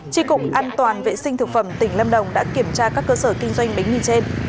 tri cục an toàn vệ sinh thực phẩm tỉnh lâm đồng đã kiểm tra các cơ sở kinh doanh bánh mì trên